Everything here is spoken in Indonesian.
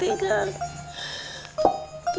ingin tinggal sama om kata kelakihan